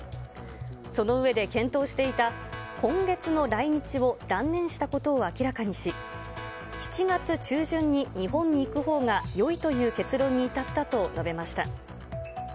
その上で、検討していた今月の来日を断念したことを明らかにし、７月中旬に日本に行くほうがよいという結論に至ったと述べました。